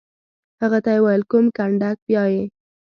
هغه ته یې وویل: کوم کنډک؟ بیا یې.